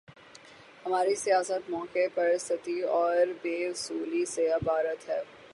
ہماری سیاست موقع پرستی اور بے اصولی سے عبارت ہے۔